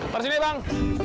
pergi sini bang